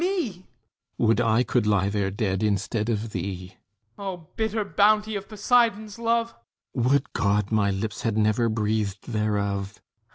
THESEUS Would I could lie there dead instead of thee! HIPPOLYTUS Oh, bitter bounty of Poseidon's love! THESEUS Would God my lips had never breathed thereof!